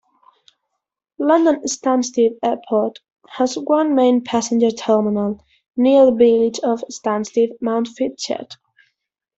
London Stansted Airport has one main passenger terminal, near the village of Stansted Mountfitchet.